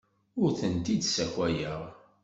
Ur tent-id-ssakayeɣ.